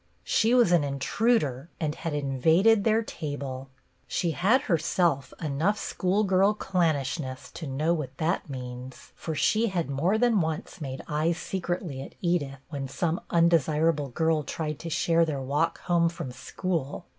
She was an intruder and had invaded their table. She had, her self, enough schoolgirl clannishness to know what that means, for she had more than once made eyes secretly at Edith when some un desirable girl tried to share their walk home from school.